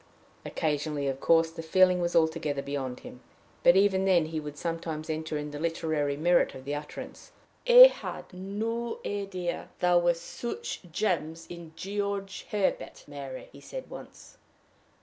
Occasionally, of course, the feeling was altogether beyond him, but even then he would sometimes enter into the literary merit of the utterance. "I had no idea there were such gems in George Herbert, Mary!" he said once.